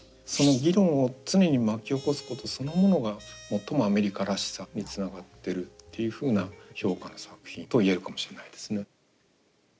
その議論を常に巻き起こすことそのものが最もアメリカらしさにつながってるっていうふうな評価の作品と言えるかもしれないですね。